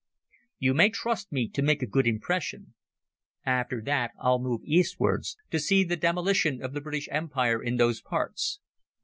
You may trust me to make a good impression. After that I'll move eastwards, to see the demolition of the British Empire in those parts.